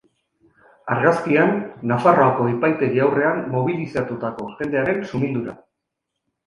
Argazkian, Nafarroako epaitegi aurrean mobilizatutako jendearen sumindura.